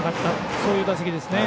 そういう打席ですね。